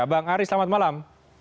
bang ari selamat malam